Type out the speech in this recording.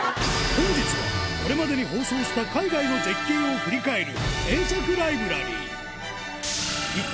本日はこれまでに放送した海外の絶景を振り返る